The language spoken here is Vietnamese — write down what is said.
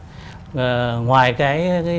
so với những lần trước